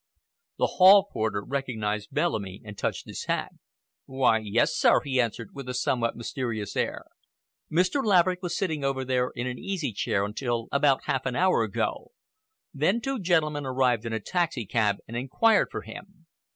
The hall porter recognized Bellamy and touched his hat. "Why, yes, sir!" he answered with a somewhat mysterious air. "Mr. Laverick was sitting over there in an easy chair until about half an hour ago. Then two gentle men arrived in a taxicab and inquired for him.